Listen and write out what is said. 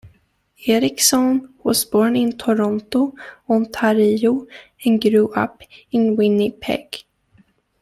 Erikson was born in Toronto, Ontario, and grew up in Winnipeg.